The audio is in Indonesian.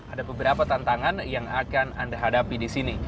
ada beberapa tantangan yang akan anda hadapi di sini